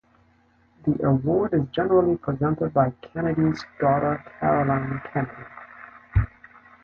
The award is generally presented by Kennedy's daughter Caroline Kennedy.